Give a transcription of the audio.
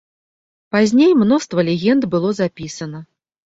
Пазней мноства легенд было запісана.